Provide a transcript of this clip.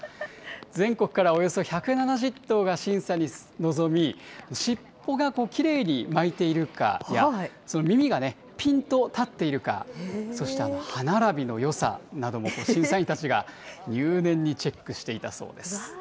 全国からおよそ１７０頭が審査に臨み、尻尾がきれいに巻いているかや、その耳がぴんと立っているか、そして歯並びのよさなども審査員たちが入念にチェックしていたそうです。